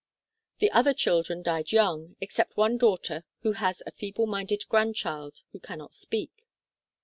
The other children died young, except one daughter who has a feeble minded grandchild who cannot speak.